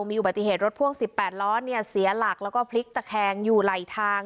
มีอุบัติเหตุรถพ่วง๑๘ล้อเนี่ยเสียหลักแล้วก็พลิกตะแคงอยู่ไหลทาง